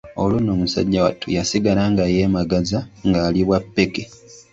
Olwo nno musajja wattu yasigala nga yeemagaza ng'ali bwa ppeke.